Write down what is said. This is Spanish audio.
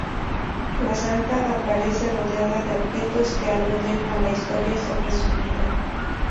La santa aparece rodeada de objetos que aluden a la historia sobre su vida.